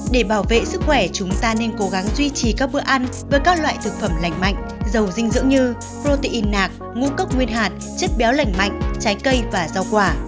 để bảo vệ sức khỏe chúng ta nên cố gắng duy trì các bữa ăn với các loại thực phẩm lành mạnh giàu dinh dưỡng như protein nạc ngũ cốc nguyên hạt chất béo lành mạnh trái cây và rau quả